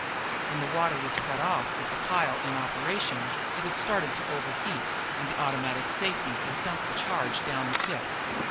When the water was cut off with the pile in operation, it had started to overheat and the automatic safeties had dumped the charge down the pit.